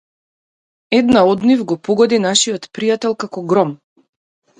Една од нив го погоди нашиот пријател како гром.